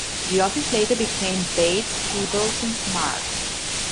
The office later became Bates, Peebles and Smart.